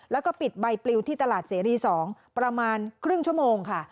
แล้วก็ปิดใบปลิวที่ตลาดเสรี๒ประมาณครึ่งชั่วโมงค่ะ